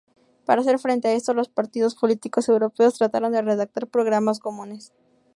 Para hacer frente a esto, los partidos políticos europeos trataron de redactar programas comunes.